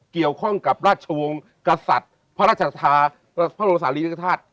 เกี่ยวข้องกับราชวงศ์กษัตริย์พระราชทศาสตร์พระอุตสาหรี่ฤทธาติ